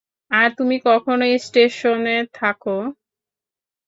আর তুমি কখনও স্টেশনে থাকো।